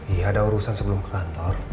iya ada urusan sebelum ke kantor